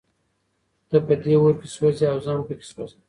ته په دې اور کې سوزې او زه هم پکې سوزم.